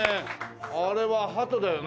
あれはハトだよね。